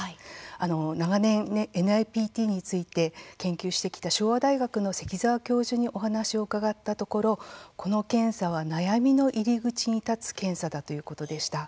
長年、ＮＩＰＴについて研究してきた昭和大学の関沢教授にお話を伺ったところこの検査は悩みの入り口に立つ検査だということでした。